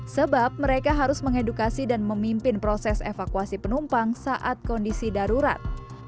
sebab mereka harus mengedukasi dan memimpin proses evakuasi penumpang saat kondisi darurat